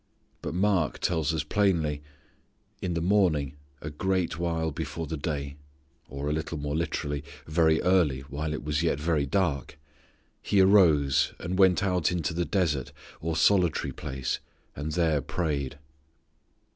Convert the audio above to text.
But Mark tells us plainly "in the morning a great while before the day (or a little more literally, 'very early while it was yet very dark') He arose and went out into the desert or solitary place and there prayed."